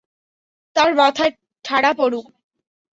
তার মাথায় ঠাডা পরুক!